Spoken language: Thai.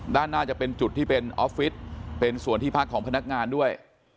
ด้านหน้าจะเป็นจุดที่เป็นออฟฟิศเป็นส่วนที่พักของพนักงานด้วย